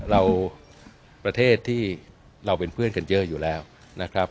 เราประเทศที่เราเป็นเพื่อนกันเยอะอยู่แล้วนะครับ